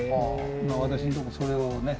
私のとこそれをね